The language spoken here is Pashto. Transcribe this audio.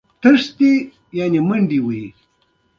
غوږ، غوږ ومه چې غلـــــــی، غلـــی یار غږېده